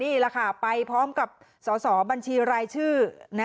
นี่แหละค่ะไปพร้อมกับสอสอบัญชีรายชื่อ